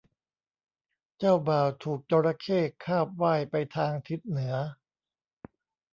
เจ้าบ่าวถูกจระเข้คาบว่ายไปทางทิศเหนือ